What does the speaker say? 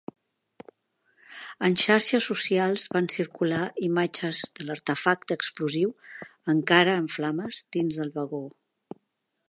En xarxes socials van circular imatges de l'artefacte explosiu encara en flames dins del vagó.